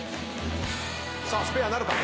さあスペアなるか？